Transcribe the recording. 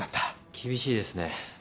厳しいですね。